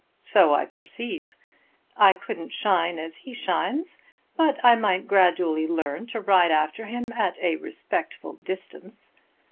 "So I perceive. I couldn't shine as he shines, but I might gradually learn to ride after him at a respectful distance.